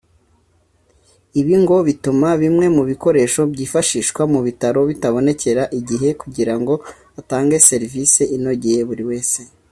Ibi ngo bituma bimwe mu bikoresho byifashishwa mu bitaro bitanabonekera igihe kugira ngo batange serivisi inogeye buri wese